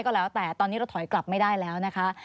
ก็แล้วแต่ตอนนี้เราถอยกลับไม่ได้แล้วนะคะ